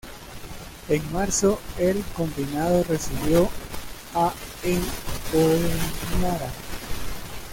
En marzo el combinado recibió a en Honiara.